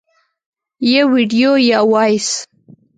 - یو ویډیو یا Voice 🎧